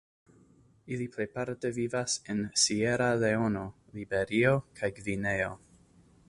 Ili plejparte vivas en Sieraleono, Liberio kaj Gvineo.